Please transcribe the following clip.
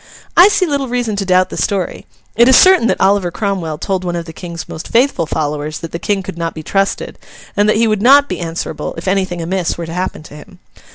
I see little reason to doubt the story. It is certain that Oliver Cromwell told one of the King's most faithful followers that the King could not be trusted, and that he would not be answerable if anything amiss were to happen to him.